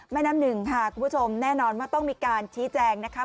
แม่น้ำหนึ่งค่ะคุณผู้ชมแน่นอนว่าต้องมีการชี้แจงนะคะ